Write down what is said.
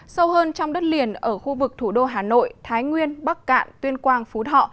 sâu hơn trong đất liền ở khu vực thủ đô hà nội thái nguyên bắc cạn tuyên quang phú thọ